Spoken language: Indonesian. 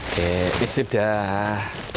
oke disip dah